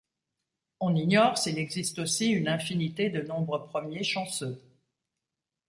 On ignore s'il existe aussi une infinité de nombres premiers chanceux.